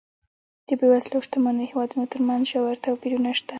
د بېوزلو او شتمنو هېوادونو ترمنځ ژور توپیرونه شته.